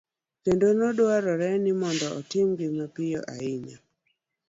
kendo ne dwarore ni otimgi mapiyo ahinya